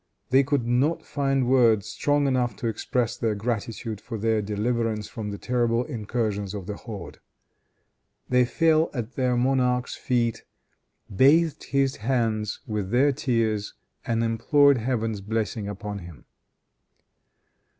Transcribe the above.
They could not find words strong enough to express their gratitude for their deliverance from the terrible incursions of the horde. They fell at their monarch's feet, bathed his hands with their tears and implored Heaven's blessing upon him.